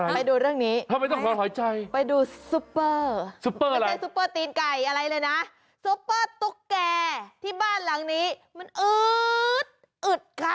ไปดูเรื่องนี้ไปดูซุปเปอร์ไม่ใช่ซุปเปอร์ตีนไก่อะไรเลยนะซุปเปอร์ตุ๊กแก่ที่บ้านหลังนี้มันอึดอึดค่ะ